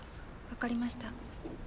わかりました。